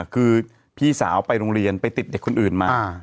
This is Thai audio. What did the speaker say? คือพี่สาวไปโรงเรียนไปติดเด็กคนอื่นมา